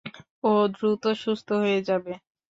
ও দ্রুত সুস্থ হয়ে যাবে।